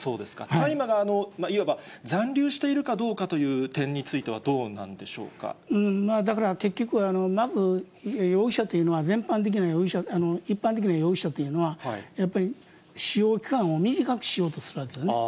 大麻が、いわば残留しているかどうかという点にだから結局は、まず、容疑者というのは、一般的な容疑者というのは、やっぱり使用期間を短くしようとするわけね。